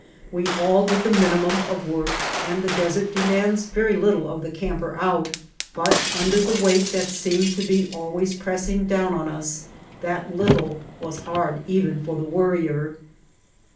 We all did the minimum of work, and the desert de mands very little of the camper out, but under the weight that seemed to be always pressing down on us that little was hard even for the Worrier.